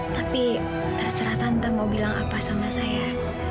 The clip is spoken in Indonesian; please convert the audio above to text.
tapi terserah tante mau bilang apa sama saya